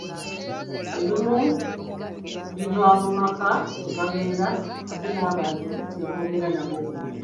Ebimu biva mu maka mwe babeera ate n'abantu be boogera nabo.